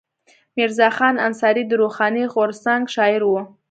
میرزا خان انصاري د روښاني غورځنګ شاعر و.